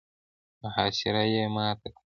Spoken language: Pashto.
محاصره يې ماته کړه.